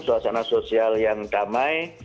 suasana sosial yang damai